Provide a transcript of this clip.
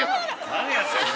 ◆何やってんの。